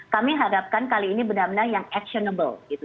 kami harapkan kali ini benar benar yang actionable